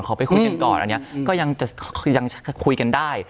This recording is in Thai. ไปคุยกันก่อนอันนี้ก็ยังคุยกันได้